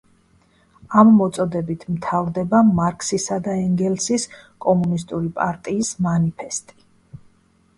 ამ მოწოდებით მთავრდება მარქსისა და ენგელსის „კომუნისტური პარტიის მანიფესტი“.